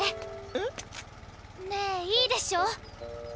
えっ？ねえいいでしょ？